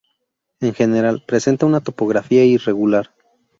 En general, presenta una topografía irregular.